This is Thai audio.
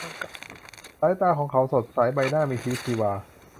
สายตาของเขาสดใส ใบหน้ามีชีวิตชีวา